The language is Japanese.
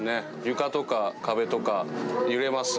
床とか壁とか揺れます